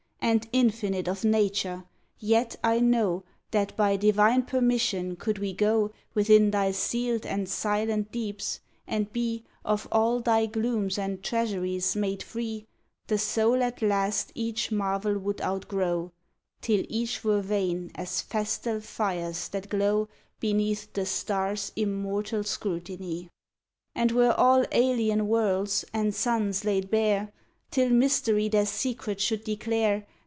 And infinite of nature; yet I know That by divine permission could we go Within thy sealed and silent deeps, and be Of all thy glooms and treasuries made free, The soul at last each marvel would outgrow, Till each were vain as festal fires that glow Beneath the stars' immortal scrutiny. And were all alien worlds and suns laid bare Till Mystery their secret should declare.